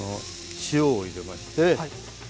塩を入れまして。